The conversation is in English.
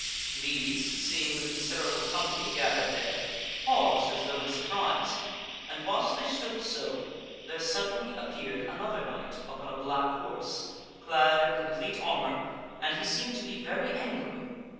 These, seeing the considerable company gathered there, paused as though in surprise, and whilst they stood so, there suddenly appeared an other knight upon a black horse, clad in complete armor, and he seemed SIX GAWAINE SETS FORTH UPON THE ADVENTURE 283 to be very angry.